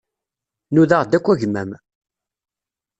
Nudaɣ-d akk agmam.